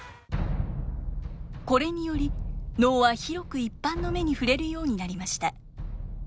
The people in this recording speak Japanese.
これにより能は広く一般の目に触れるようになりました。